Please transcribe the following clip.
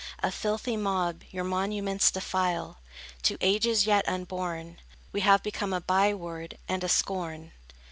A filthy mob your monuments defile: To ages yet unborn, We have become a by word and a scorn.